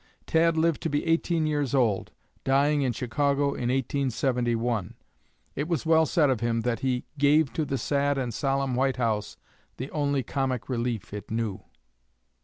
Tad lived to be eighteen years old, dying in Chicago in 1871. It was well said of him that he "gave to the sad and solemn White House the only comic relief it knew."